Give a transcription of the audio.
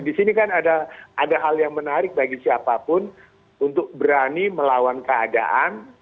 di sini kan ada hal yang menarik bagi siapapun untuk berani melawan keadaan